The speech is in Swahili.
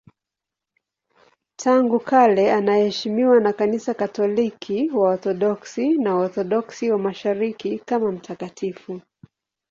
Tangu kale anaheshimiwa na Kanisa Katoliki, Waorthodoksi na Waorthodoksi wa Mashariki kama mtakatifu.